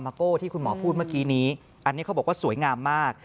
โก้ที่คุณหมอพูดเมื่อกี้นี้อันนี้เขาบอกว่าสวยงามมาก